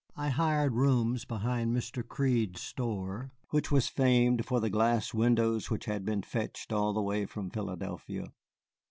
I hired rooms behind Mr. Crede's store, which was famed for the glass windows which had been fetched all the way from Philadelphia.